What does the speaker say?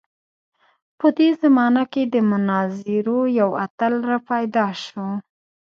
په دې زمانه کې د مناظرو یو اتل راپیدا شو.